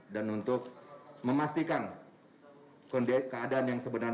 dan untuk memastikan